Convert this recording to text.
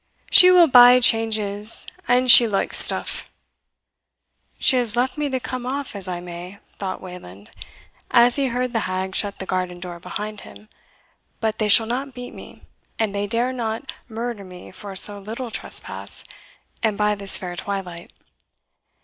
Zhe will buy changes an zhe loikes stuffs." "She has left me to come off as I may," thought Wayland, as he heard the hag shut the garden door behind him. "But they shall not beat me, and they dare not murder me, for so little trespass, and by this fair twilight.